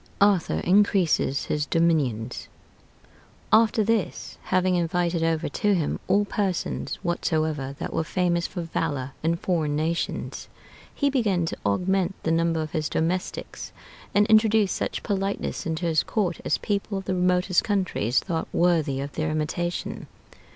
ARTHUR INCREASES HIS DOMINIONS After this, having invited over to him all persons whatsoever that were famous for valor in foreign nations, he began to augment the number of his domestics, and introduced such politeness into his court as people of the remotest countries thought worthy of their imitation.